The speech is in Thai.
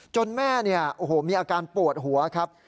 จนแม่มีอาการโปรดหัวครับ